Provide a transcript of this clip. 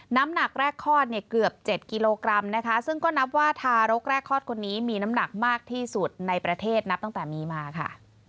น้ำหนักแรกคลอดเนี่ยเกือบ๗กิโลกรัมนะคะซึ่งก็นับว่าทารกแรกคลอดคนนี้มีน้ำหนักมากที่สุดในประเทศนับตั้งแต่มีมาค่ะ